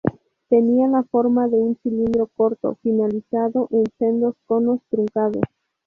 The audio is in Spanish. Tenía la forma de un cilindro corto finalizado en sendos conos truncados.